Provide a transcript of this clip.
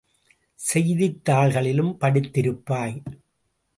செய்தித் தாள்களிலும் படித்திருப்பாய்!